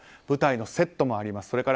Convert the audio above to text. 舞台のセットもあります。